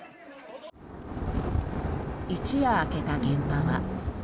一夜明けた現場は。